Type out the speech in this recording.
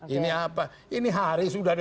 ini hari sudah